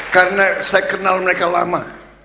karena saya kenal mereka lama